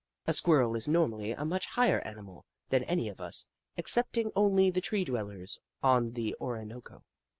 A Squirrel is nor mally a much higher animal than any of us, ex cepting only the tree dwellers on the Orinoco.